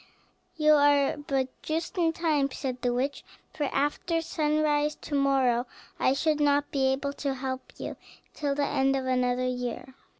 "You are but just in time," said the witch; "for after sunrise to morrow I should not be able to help you till the end of another year.